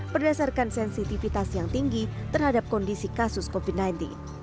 berdasarkan sensitivitas yang tinggi terhadap kondisi kasus covid sembilan belas